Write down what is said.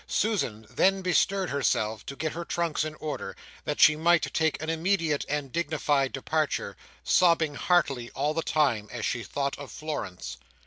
Susan then bestirred herself to get her trunks in order, that she might take an immediate and dignified departure; sobbing heartily all the time, as she thought of Florence.